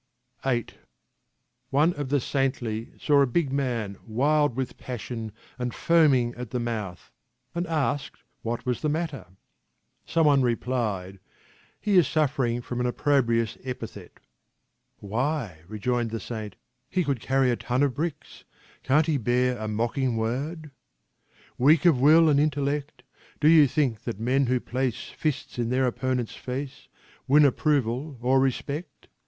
68 TRANSLATIONS FROM THE GULISTAN VIII One of the Saintly saw a big man wild with passion and foaming at the mouth, and asked what was the matter. Someone replied :" He is suffering from an opprobrious epithet." " Why," rejoined the Saint, " he could carry a ton of bricks ; can't he bear a mocking word? Weak of will and intellect Do you think that men who place Fists in their opponent's face Win approval or respect?